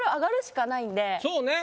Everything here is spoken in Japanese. そうね。